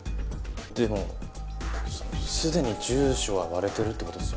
でもすでに住所は割れてるって事ですよね。